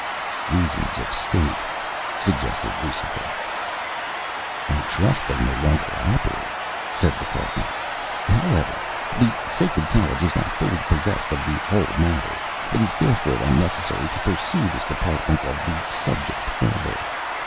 "Reasons of State," suggested Lucifer. "I trust that they no longer operate," said the Cardinal. "However, the Sacred College is now fully possessed of the whole matter: it is therefore unnecessary to pursue this department of the subject further.